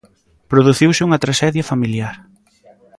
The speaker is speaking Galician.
Produciuse unha traxedia familiar.